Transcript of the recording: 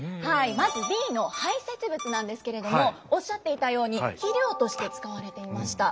まずＢの排泄物なんですけれどもおっしゃっていたように肥料として使われていました。